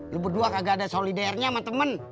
lo berdua kagak ada solidernya sama temen